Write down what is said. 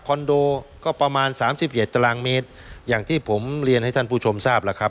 คอนโดก็ประมาณ๓๗ตรเมตรอย่างที่ผมเรียนให้ท่านผู้ชมทราบล่ะครับ